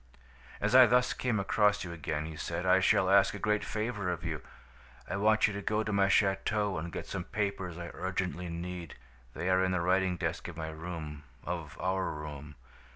"'As I thus came across you again,' he said, 'I shall ask a great favor of you. I want you to go to my château and get some papers I urgently need. They are in the writing desk of my room, of our room.